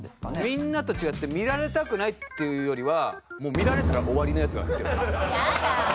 みんなと違って見られたくないっていうよりはもう「見られたら終わりのやつ」？